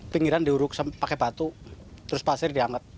pinggiran diuruk pakai batu terus pasir dianget